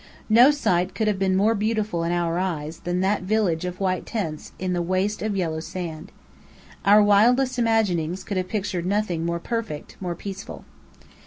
No sight could have been more beautiful in our eyes than that village of white tents in the waste of yellow sand. Our wildest imaginings could have pictured nothing more perfect, more peaceful.